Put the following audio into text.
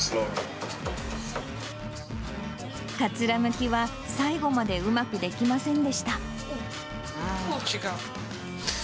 かつらむきは、最後までうまくできませんでした。